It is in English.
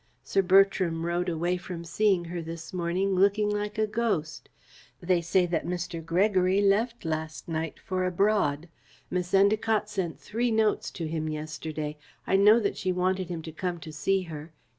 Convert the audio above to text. Sir Bertram rode away from seeing her this morning looking like a ghost. They say that Mr. Gregory left last night for abroad. Miss Endacott sent three notes to him yesterday. I know that she wanted him to come to see her.